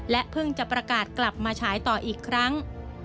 เพิ่งจะประกาศกลับมาฉายต่ออีกครั้ง